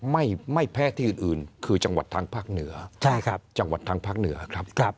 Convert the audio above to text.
ไม่แพ้ที่อื่นคือจังหวัดทางภาคเหนือจังหวัดทางภาคเหนือครับ